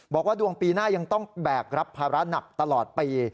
บอกว่าดวงปีหน้ายังต้องแบกรับภาระหนักตลอดปี